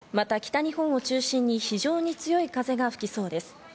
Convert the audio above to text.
また北日本を中心に非常に強い風が吹きそうです。